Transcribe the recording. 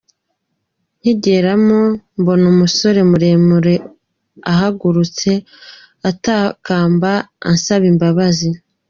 Nkigeramo mbona umusore muremure ahagurutse atakamba ansaba imbabazi.